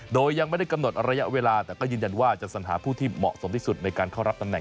โดยยังไม่ได้กำหนดระยะเวลาแต่ก็ยืนยันว่าจะสัญหาผู้ที่เหมาะสมที่สุดในการเข้ารับตำแหน